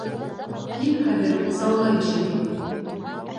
Һин хәҙер залда йәшәйһең!